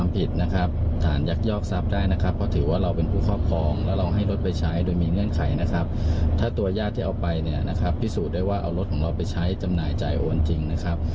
พิสูจน์ได้ว่าเอารถของเราไปใช้จำหน่ายจ่ายโอนจริงนะครับ